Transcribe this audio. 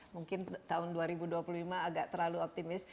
mungkin tahun dua ribu dua puluh lima agak terlalu optimis